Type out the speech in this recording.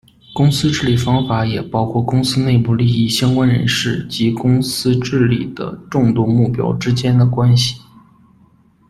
公司治理方法也包括公司内部利益相关人士及公司治理的众多目标之间的关系。